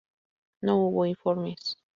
No hubo informes.